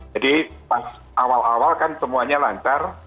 jadi pas awal awal kan semuanya lancar